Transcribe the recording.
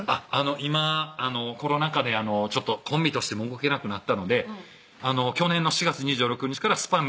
今コロナ禍でちょっとコンビとしても動けなくなったので去年の４月２６日から「ｓｐａｎ！